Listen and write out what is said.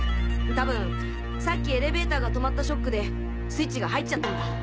多分さっきエレベーターが止まったショックでスイッチが入っちゃったんだ。